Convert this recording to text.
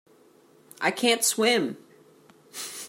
I can't swim.